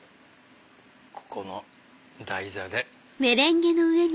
ここの台座で。